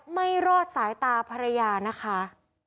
ไม่รอดสายตาภรรยานะคะ